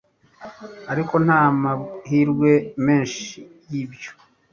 ariko nta mahirwe menshi yibyo